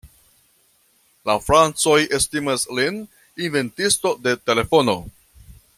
La francoj estimas lin inventisto de telefono.